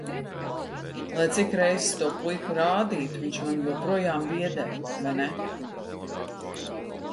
Lai cik reizes to puiku rādītu, viņš mani joprojām biedē, vai ne?